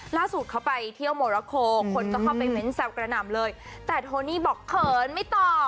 ล่าสุดเขาไปเที่ยวโมราโคคนก็เข้าไปเม้นแซวกระหน่ำเลยแต่โทนี่บอกเขินไม่ตอบ